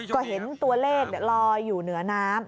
ก็เห็นตัวเลขลอยอยู่เหนือน้ำ